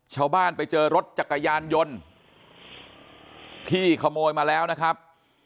ชาวบ้านไปเจอรถจักรยานยนต์ที่ขโมยมาแล้วนะครับ